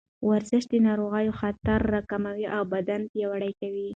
ورزش د ناروغیو خطر راکموي او بدن پیاوړی کوي.